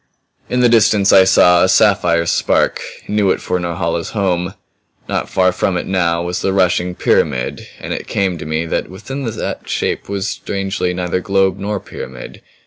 In the distance I saw a sapphire spark; knew it for Norhala's home. Not far from it now was the rushing pyramid and it came to me that within that shape was strangely neither globe nor pyramid.